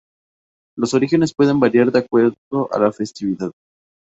Los orígenes pueden variar de acuerdo a la festividad.